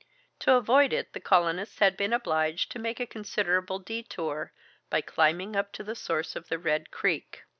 To avoid it the colonists had been obliged to make a considerable detour, by climbing up to the source of the Red Creek.